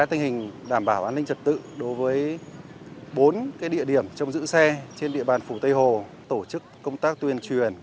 tình hình đảm bảo an ninh trật tự đối với bốn địa điểm trong giữ xe trên địa bàn phủ tây hồ tổ chức công tác tuyên truyền